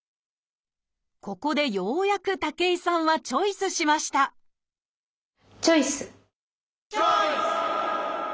ここでようやく武井さんはチョイスしましたチョイス！